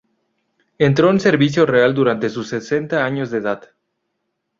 Entró en servicio real durante sus sesenta años de edad.